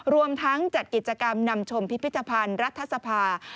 รวมทั้งจัดกิจกรรมนำชมพิพิธภัณฑ์รัฐสภา